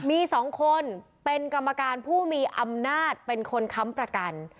มี๒คนเป็นกรรมการผู้มีอำนาจเป็นคนค้ำประกัน